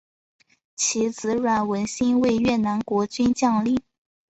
其子阮文馨为越南国军将领。